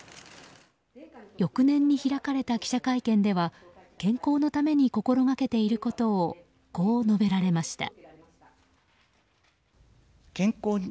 翌年に開かれた記者会見では健康のために心がけていることをこう述べられました。